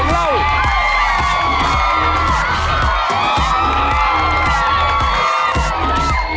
คุณแคลรอนครับ